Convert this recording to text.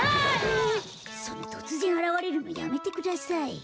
そのとつぜんあらわれるのやめてください。